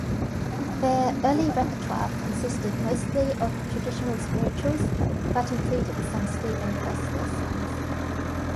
Their early repertoire consisted mostly of traditional spirituals, but included some Stephen Foster songs.